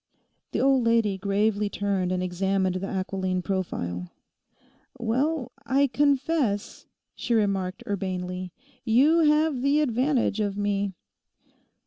The old lady gravely turned and examined the aquiline profile. 'Well, I confess,' she remarked urbanely, 'you have the advantage of me.